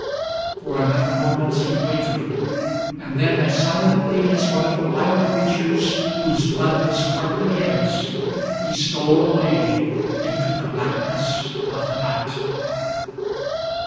For another moment he wavered. And then, as silently as one of the wild creatures whose blood was partly his, he stole away into the blackness of the night.